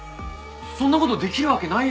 そんな事できるわけないやん。